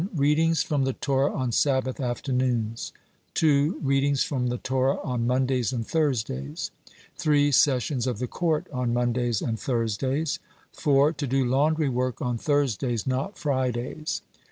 Readings from the Torah on Sabbath afternoons. 2. Readings from the Torah on Mondays and Thursdays. 3. Sessions of the court on Mondays and Thursdays. 4. To do laundry work on Thursdays, not Fridays.